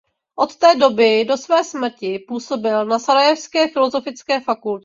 Od té doby do své smrti působil na sarajevské filozofické fakultě.